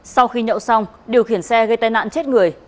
sau khi nhậu xong điều khiển xe gây tai nạn chết người